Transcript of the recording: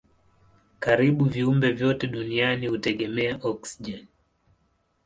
Karibu viumbe vyote duniani hutegemea oksijeni.